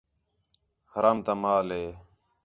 حرام تا مال ہِے